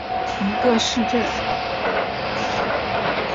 嫩豪森是德国勃兰登堡州的一个市镇。